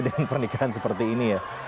pernikahan seperti ini ya